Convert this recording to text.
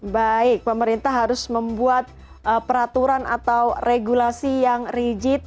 baik pemerintah harus membuat peraturan atau regulasi yang rigid